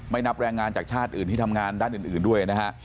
นับแรงงานจากชาติอื่นที่ทำงานด้านอื่นด้วยนะฮะ